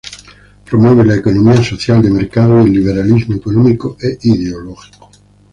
Promueve la economía social de mercado y el liberalismo económico e ideológico.